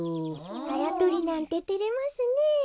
あやとりなんててれますねえ。